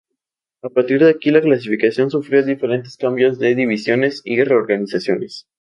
A partir de aquí la clasificación sufrió diferentes cambios con divisiones y reorganizaciones.